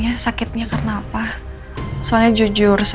ah dia udah tidur